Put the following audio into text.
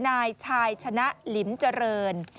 นายชายชนะลิมเจริญ